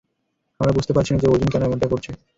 আমরা বুঝতে পারছি না যে অর্জুন কেন এমনটা করছে।